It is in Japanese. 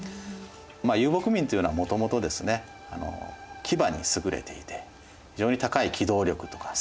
まあ遊牧民というのはもともとですね騎馬に優れていて非常に高い機動力とか戦闘力とかを。